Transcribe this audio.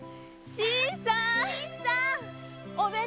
新さん。